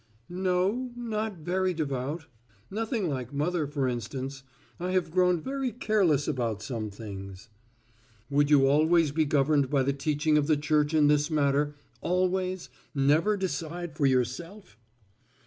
"No, not very devout. Nothing like mother, for instance. I have grown very careless about some things." "Would you always be governed by the teaching of the Church in this matter always never decide for yourself?"